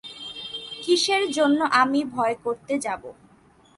কিসের জন্যে আমি ভয় করতে যাব?